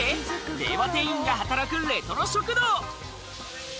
令和店員が働くレトロ食堂！